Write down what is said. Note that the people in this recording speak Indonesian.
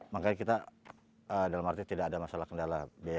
makanya kita dalam arti tidak ada masalah kendala biaya